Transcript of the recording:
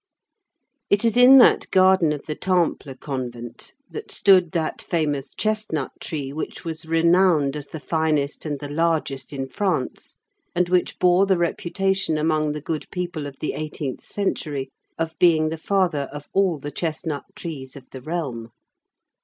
It is in that garden of the Temple convent, that stood that famous chestnut tree which was renowned as the finest and the largest in France, and which bore the reputation among the good people of the eighteenth century of being the father of all the chestnut trees of the realm.